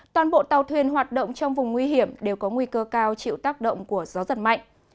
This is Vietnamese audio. toàn bộ tàu thuyền hoạt động trong vùng nguy hiểm đều có nguy cơ cao chịu tác động của gió giật mạnh